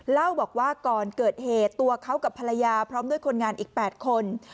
เล่าบอกว่าก่อนเกิดเหตุตัวเขากับภรรยาพร้อมด้วยคนงานอีก๘คน